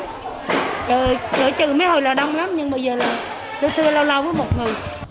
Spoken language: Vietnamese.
lỡ chợ mấy hồi là đông lắm nhưng bây giờ là chưa lâu lâu với một người